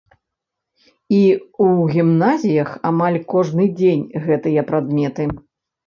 І ў гімназіях амаль кожны дзень гэтыя прадметы.